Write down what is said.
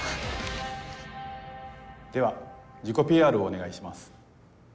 では自己ＰＲをお願いします。